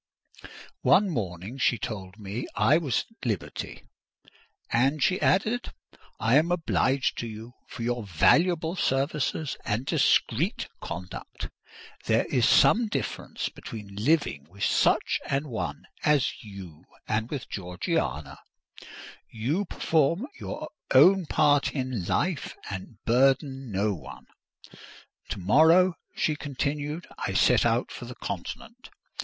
One morning she told me I was at liberty. "And," she added, "I am obliged to you for your valuable services and discreet conduct! There is some difference between living with such an one as you and with Georgiana: you perform your own part in life and burden no one. To morrow," she continued, "I set out for the Continent.